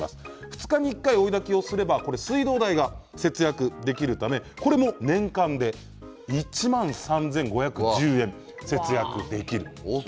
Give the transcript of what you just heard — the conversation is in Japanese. ２日に１回、追いだきをすれば水道代が節約できるためこれも年間で１万３５１０円節約できる。